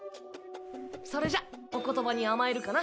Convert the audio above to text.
それじゃお言葉に甘えるかな。